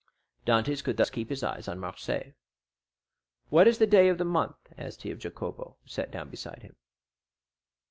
Dantès could thus keep his eyes on Marseilles. "What is the day of the month?" asked he of Jacopo, who sat down beside him.